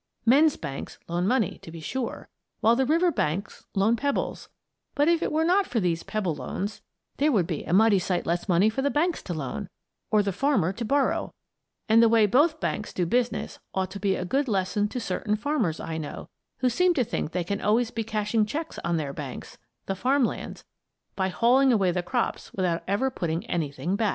Men's banks loan money, to be sure, while the river banks loan pebbles, but if it were not for these pebble loans there would be a mighty sight less money for the banks to loan, or the farmer to borrow; and the way both banks do business ought to be a good lesson to certain farmers I know, who seem to think they can always be cashing checks on their banks the farm lands by hauling away the crops without ever putting anything back.